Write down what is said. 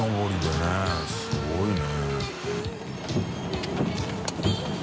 Δすごいね。